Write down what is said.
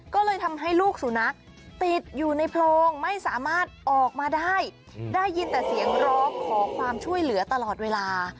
ก็เลยทำให้ลูกสุนัขติดอยู่ในโพรงไม่สามารถออกมาได้ได้ยินแต่เสียงร้องขอความช่วยเหลือตลอดเวลา